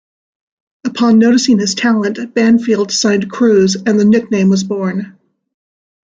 Upon noticing his talent, Banfield signed Cruz, and the nickname was born.